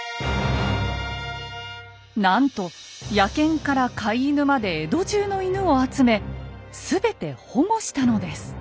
なんと野犬から飼い犬まで江戸中の犬を集め全て保護したのです。